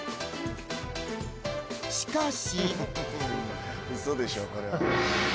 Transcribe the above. しかし。